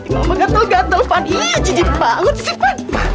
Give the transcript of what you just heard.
mama gatel gatel pan ihh jijik banget sih pan